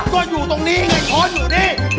ก็อยู่ตรงนี้ไงค้อนอยู่นี่